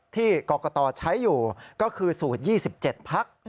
ที่กรกตใช้อยู่ก็คือสูตร๒๗พัก